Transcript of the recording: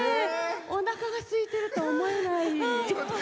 おなかがすいてるとは思えない。